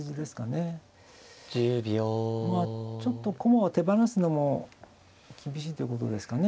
まあちょっと駒を手放すのも厳しいってことですかね。